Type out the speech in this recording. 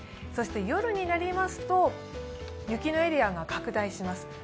そして夜になりますと、雪のエリアが拡大します。